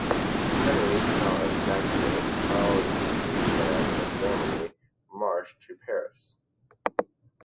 Henry, Count of Saxony, Charles' chief man in Germany, marched to Paris.